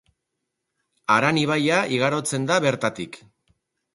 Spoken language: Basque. Aran ibaia igarotzen da bertatik.